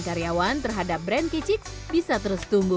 karyawan terhadap brand kicix bisa terus tumbuh